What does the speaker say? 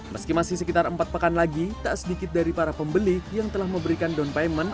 meski masih sekitar empat pekan lagi tak sedikit dari para pembeli yang telah memberikan down payment